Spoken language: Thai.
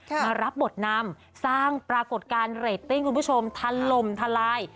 มารับบทนำสร้างปรากฏการณ์เรตติ้งคุณผู้ชมทะลมทลาย